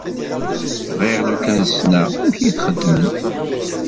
Bɣiɣ lukan ssneɣ amek i t-xeddmen.